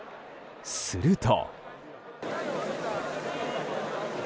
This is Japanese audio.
すると。